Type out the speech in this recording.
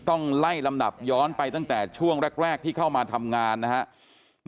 ต้องไล่ลำดับย้อนไปตั้งแต่ช่วงแรกที่เข้ามาทำงานนะครับ